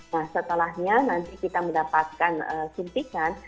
nah setelahnya nanti kita mendapatkan suntikan